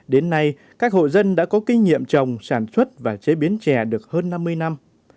đến nay các hộ dân đã có kinh nghiệm trồng sản xuất và chế biến chè được hơn năm mươi năm